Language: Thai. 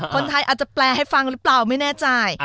คนไทยอาจจะแปลให้ฟังหรือเปล่าไม่แน่ใจ